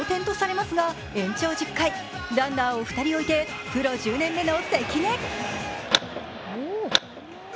このあと同点とされますが延長１０回、ランナーを２人置いてプロ１０年目の関根。